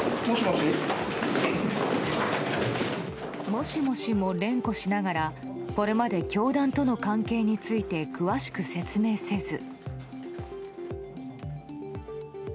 もしもしも連呼しながらこれまで、教団との関係について詳しく説明せず。